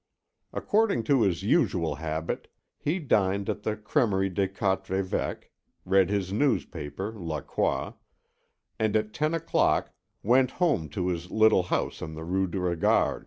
According to his usual habit, he dined at the Crèmerie des Quatre Évêques, read his newspaper, La Croix, and at ten o'clock went home to his little house in the Rue du Regard.